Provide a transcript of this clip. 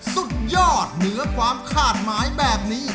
สุดยอดเหนือความคาดหมายแบบนี้